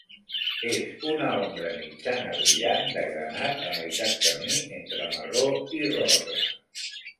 És una ombra mitjana brillant de granat a meitat camí entre marró i rosa.